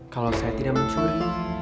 kalo saya tidak mencuri